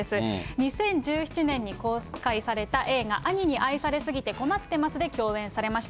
２０１７年に公開された映画、兄に愛され過ぎて困ってますで共演されました。